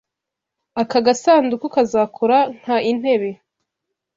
Aka gasanduku kazakora nkaintebe.